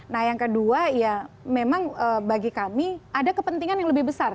nah yang kedua ya memang bagi kami ada kepentingan yang lebih besar